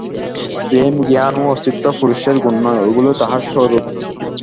প্রেম, জ্ঞান ও অস্তিত্ব পুরুষের গুণ নয়, ঐগুলি তাঁহার স্বরূপ।